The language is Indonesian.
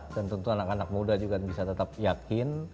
dan tentu anak anak muda juga bisa tetap yakin